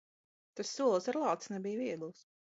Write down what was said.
Tas solis ar lāci nebija viegls.